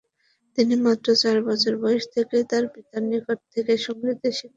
তিনি মাত্র চার বছর বয়স থেকেই তার পিতার নিকট থেকে সঙ্গীতের শিক্ষা নেন।